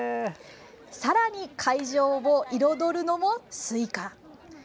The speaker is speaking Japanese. さらに、会場を彩るのもスイカ。